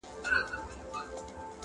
وڅڅوي اوښکي اور تر تلي کړي.!